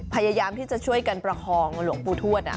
พยายามที่จะช่วยกันประคองหลวงปู่ทวด